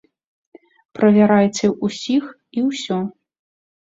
Правярайце ўсіх і ўсё.